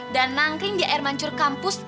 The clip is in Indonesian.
dan nangkring di air mancur kampus